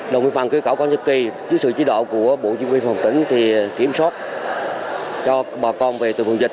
đồng viên phòng kêu cầu con dịch kỳ dưới sự chế độ của bộ chính quyền phòng tỉnh thì kiểm soát cho bà con về từ vùng dịch